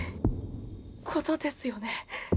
ことですよね？